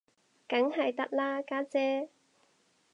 梗係得啦，家姐